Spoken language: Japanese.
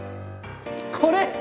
これ。